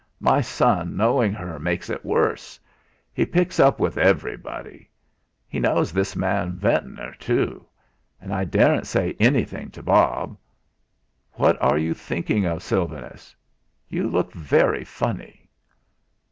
My son knowing her makes it worse. He picks up with everybody. He knows this man Ventnor too. And I daren't say anything to Bob. What are you thinking of, Sylvanus? You look very funny!"